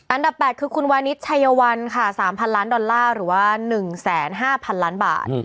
อันดับ๘คือคุณวานิสชัยวัลค่ะ๓๐๐ล้านดอลลาร์หรือว่า๑๕๐๐๐ล้านบาท